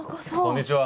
こんにちは。